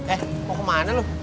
eh mau kemana lu